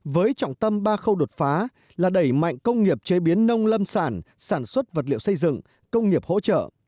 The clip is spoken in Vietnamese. với trọng tâm ba khâu đột phá là đẩy mạnh công nghiệp chế biến nông lâm sản sản xuất vật liệu xây dựng công nghiệp hỗ trợ